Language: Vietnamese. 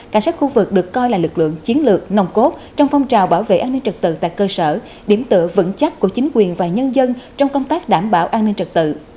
cảnh sát khu vực được coi là lực lượng chiến lược nồng cốt trong phong trào bảo vệ an ninh trật tự tại cơ sở điểm tựa vững chắc của chính quyền và nhân dân trong công tác đảm bảo an ninh trật tự